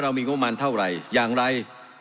มีงบมันเท่าไหร่อย่างไร